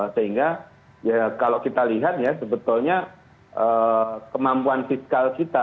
sehingga ya kalau kita lihat ya sebetulnya kemampuan fiskal kita